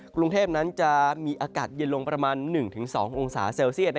กรุงเทพนั้นจะมีอากาศเย็นลงประมาณ๑๒องศาเซลเซียต